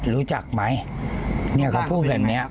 รู้จักไหมพวงแบบนี้